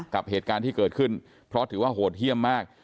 กับเหตุการณ์ที่เกิดขึ้นเพราะถือว่าโหดเยี่ยมมาก